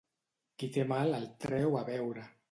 Qui té mal el treu a veure.